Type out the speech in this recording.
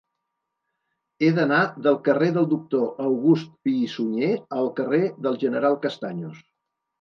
He d'anar del carrer del Doctor August Pi i Sunyer al carrer del General Castaños.